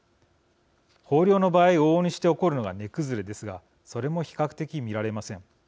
豊漁の場合往々にして起こるのが値崩れですがそれも比較的見られません。